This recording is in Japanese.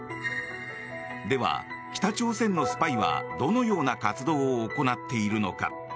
では、北朝鮮のスパイはどのような活動を行っているのか。